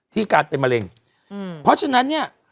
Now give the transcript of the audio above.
การเป็นมะเร็งเพราะฉะนั้นเนี่ย